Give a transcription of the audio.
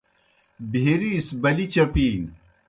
بھیری سہ بلی چپِینیْ۔